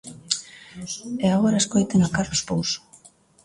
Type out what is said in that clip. E agora escoiten a Carlos Pouso.